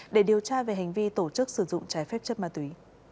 để điều tra về hành vi tổ chức sử dụng trái phép chất ma túy